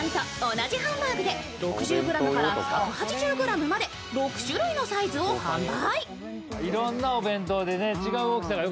同じハンバーグで６０ｇから１８０ｇまで、６種類のサイズを販売。